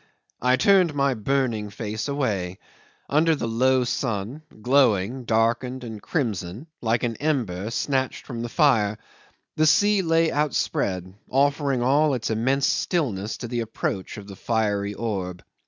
I turned my burning face away; under the low sun, glowing, darkened and crimson, like an ember snatched from the fire, the sea lay outspread, offering all its immense stillness to the approach of the fiery orb.